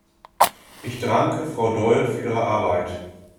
Ich danke Frau Doyle für ihre Arbeit.